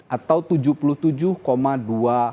atau tujuh puluh tujuh dua triliun rupiah